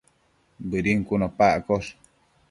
Bëdin cun opa accosh